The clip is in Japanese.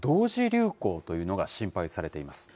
流行というのが心配されています。